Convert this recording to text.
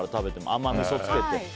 甘みそつけて。